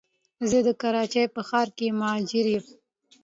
زه د کراچی په ښار کي مهاجر یم